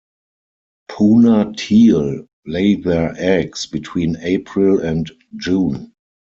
Puna teal lay their eggs between April and June.